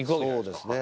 そうですね。